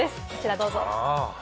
どうぞ。